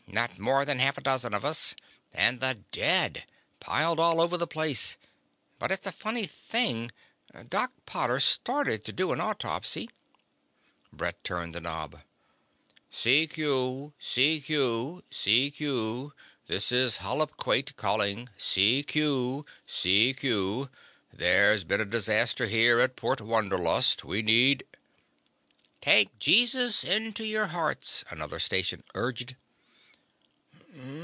Not more than half a dozen of us. And the dead! Piled all over the place. But it's a funny thing: Doc Potter started to do an autopsy " Brett turned the knob. "... CQ, CQ, CQ. This is Hollip Quate, calling CQ, CQ. There's been a disaster here at Port Wanderlust. We need " "Take Jesus into your hearts," another station urged.